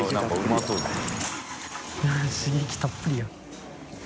「刺激たっぷりや」